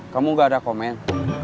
kamu gak ada komen